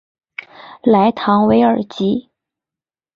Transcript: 莱唐韦尔吉。